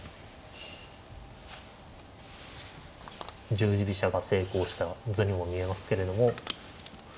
十字飛車が成功した図にも見えますけれども。